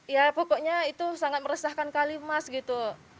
ya pokoknya itu sangat meresahkan kali mas gitu